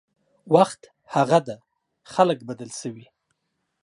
وخت هغه ده خلک بدل شوي